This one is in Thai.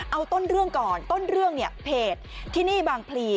เอาต้นเรื่องก่อนต้นเรื่องเนี่ยเพจที่นี่บางพลี